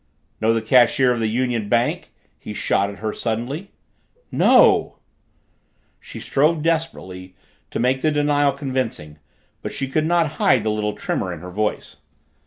"Know the cashier of the Union Bank?" he shot at her suddenly. "No!" She strove desperately to make the denial convincing but she could not hide the little tremor in her voice.